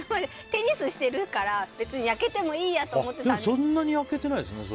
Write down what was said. テニスしてるから別に焼けてもいいやとでもそんなに焼けてないですね。